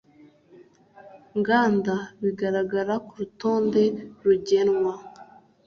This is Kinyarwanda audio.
Nganda bigaragara ku rutonde rugenwa